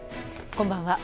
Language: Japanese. こんばんは。